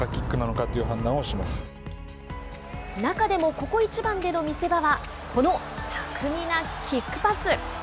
ここ一番での見せ場は、この巧みなキックパス。